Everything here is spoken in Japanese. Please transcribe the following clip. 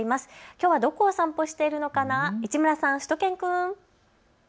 きょうはどこをお散歩しているのかな、市村さん、しゅと犬くん。